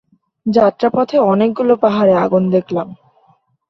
যাত্রাপথে অনেকগুলো পাহাড়ে আগুন দেখলাম।